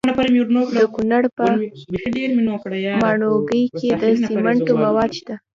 د کونړ په ماڼوګي کې د سمنټو مواد شته.